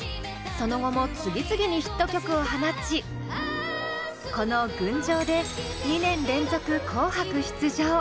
その後も次々にヒット曲を放ちこの「群青」で２年連続「紅白」出場。